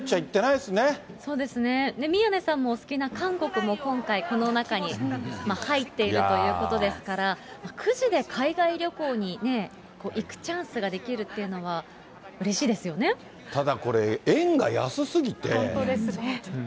宮根さんもお好きな韓国も、今回、この中に入っているということですから、くじで海外旅行に行くチャンスができるっていうのは、ただこれ、本当ですね。